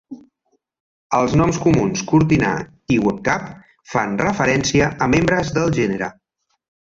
Els noms comuns cortinar i webcap fan referència a membres del gènere.